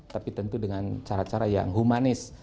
tapi tentu dengan cara cara yang humanis